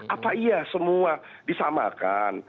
apa iya semua disamakan